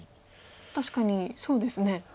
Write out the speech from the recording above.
確かにそうですね。